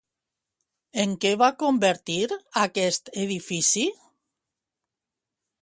En què va convertir aquest edifici?